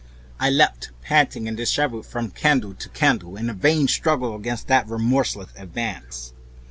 I leaped panting from candle to candle in a vain struggle against that remorseless advance.